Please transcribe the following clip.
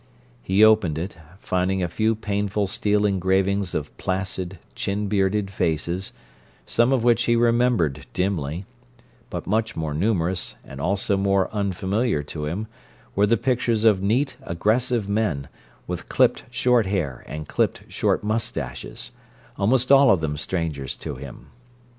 He opened it, finding a few painful steel engravings of placid, chin bearded faces, some of which he remembered dimly; but much more numerous, and also more unfamiliar to him, were the pictures of neat, aggressive men, with clipped short hair and clipped short moustaches—almost all of them strangers to him.